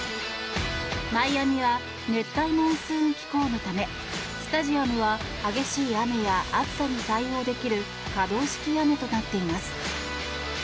マイアミは熱帯モンスーン気候のためスタジアムは激しい雨や暑さに対応できる可動式屋根となっています。